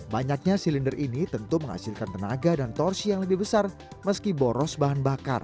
banyaknya silinder ini tentu menghasilkan tenaga dan torsi yang lebih besar meski boros bahan bakar